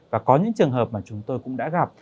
và có những trường hợp mà chúng tôi cũng đã gặp